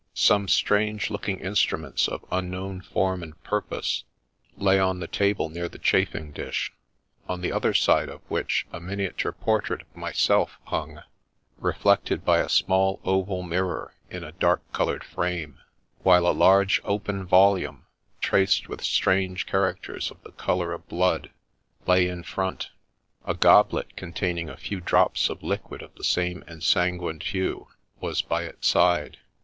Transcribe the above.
Some strange looking instruments, of unknown form and purpose, lay on the table near the chafing dish, on the other side of which a miniature portrait of myself hung, reflected by a small oval mirror in a dark coloured frame, while a large open volume, traced with strange characters of the colour of blood, lay in front ; a goblet, containing a few drops of liquid of the same ensanguined hue, was by its side.